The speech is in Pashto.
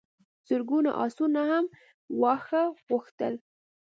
زرګونو آسونو هم واښه غوښتل.